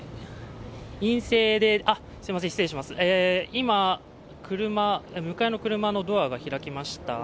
今、向かいの車のドアが開きました。